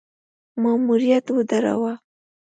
ماموریت ودراوه.